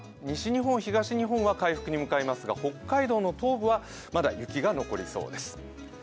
西日本、東日本は回復に向かいますが北海道の東部はまだ雪が残りそうです。